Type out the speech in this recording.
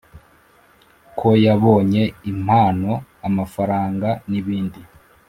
ko yabonye impano, amafaranga, n’ibindi.